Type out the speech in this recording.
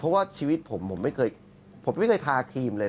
เพราะว่าชีวิตผมผมไม่เคยทาครีมเลย